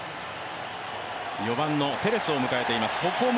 ４番のテレスを迎えています